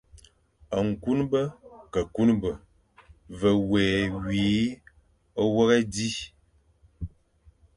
Nkuñbe ke kuñbe, ve nwé wi o wéghé di,